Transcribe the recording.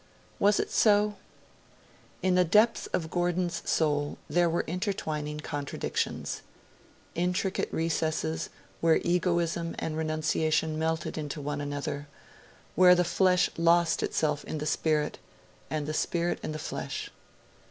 Was it so? In the depths of Gordon's soul there were intertwining contradictions intricate recesses where egoism and renunciation melted into one another, where the flesh lost itself in the spirit, and the spirit in the flesh.